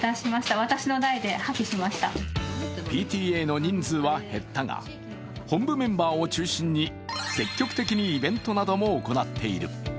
ＰＴＡの人数は減ったが本部メンバーを中心に積極的にイベントなども行っている。